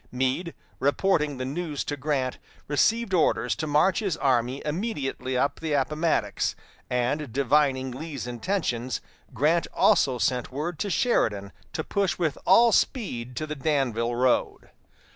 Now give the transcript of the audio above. Meade, reporting the news to Grant, received orders to march his army immediately up the Appomattox; and divining Lee's intentions, Grant also sent word to Sheridan to push with all speed to the Danville road.